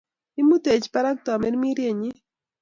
Imutech barak tamirmiriennyi.